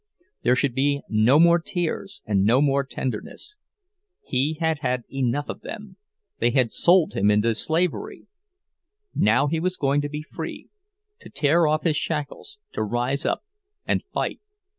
There should be no more tears and no more tenderness; he had had enough of them—they had sold him into slavery! Now he was going to be free, to tear off his shackles, to rise up and fight.